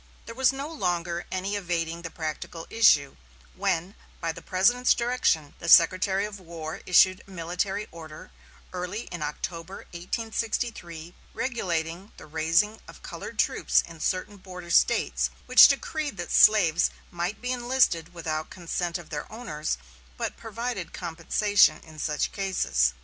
There was no longer any evading the practical issue, when, by the President's direction, the Secretary of War issued a military order, early in October, 1863, regulating the raising of colored troops in certain border States, which decreed that slaves might be enlisted without consent of their owners, but provided compensation in such cases.